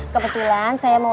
kebetulan saya mau